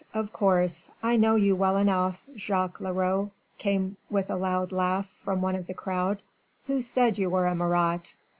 Of course I know you well enough, Jacques Leroux," came with a loud laugh from one of the crowd. "Who said you were a Marat?"